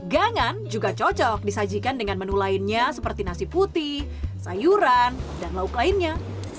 gangan juga cocok disajikan dengan menu lainnya seperti nasi putih sayuran dan lauk lainnya